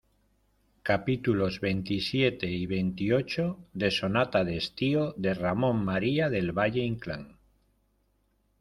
capítulos veintisiete y veintiocho de Sonata de estío, de Ramón María del Valle-Inclán.